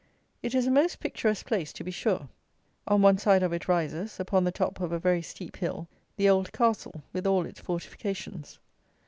It is a most picturesque place, to be sure. On one side of it rises, upon the top of a very steep hill, the Old Castle, with all its fortifications.